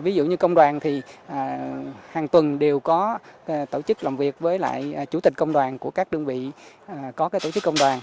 ví dụ như công đoàn thì hàng tuần đều có tổ chức làm việc với lại chủ tịch công đoàn của các đơn vị có tổ chức công đoàn